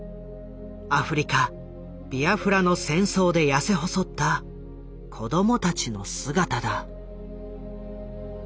アフリカビアフラの戦争で痩せ細った子どもたちの姿だ。